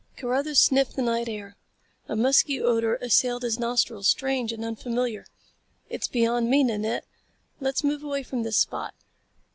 Carruthers sniffed the night air. A musky odor assailed his nostrils, strange and unfamiliar. "It's beyond me, Nanette. Let's move away from this spot.